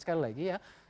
sekali lagi ya